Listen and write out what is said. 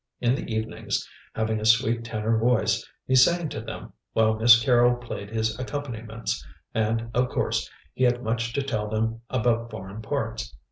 In the evenings, having a sweet tenor voice, he sang to them, while Miss Carrol played his accompaniments, and, of course, he had much to tell them about foreign parts.